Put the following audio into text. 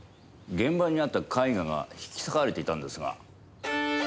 現場にあった絵画が引き裂かれていたんですが。